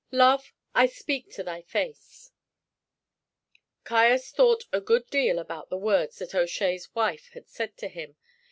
"LOVE, I SPEAK TO THY FACE." Caius thought a good deal about the words that O'Shea's wife had said to him.